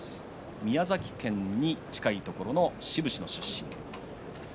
宮崎県立に近いところの志布志市の出身です。